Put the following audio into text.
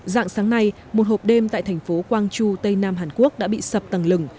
dạng sáng nay một hộp đêm tại thành phố gwangju tây nam hàn quốc đã bị sập tầng lừng